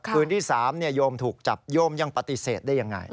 คืนที่๓โยมถูกจับโยมยังปฏิเสธได้ยังไง